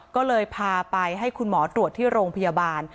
ก็เลยพาไปให้คุณหมอตรวจที่โรงพยาบาล